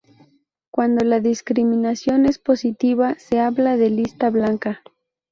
Cuando la discriminación es positiva se habla de lista blanca.